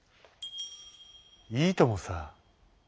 「いいともさ」。